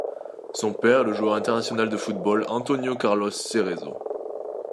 Son père est le joueur international de football, Antônio Carlos Cerezo.